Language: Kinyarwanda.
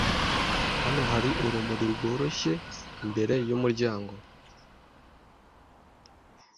Hano hari urumuri rworoshye imbere yumuryango.